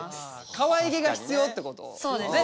かわいげが必要ってことね？